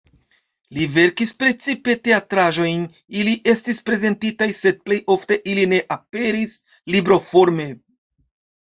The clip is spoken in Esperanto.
Li verkis precipe teatraĵojn, ili estis prezentitaj sed plej ofte ili ne aperis libroforme.